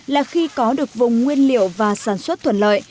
là khi có được vùng nguyên liệu và sản xuất thuận lợi